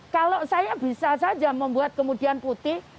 kalau saya bisa saja membuat kemudian putih